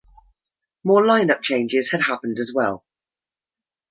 More lineup changes had happened as well.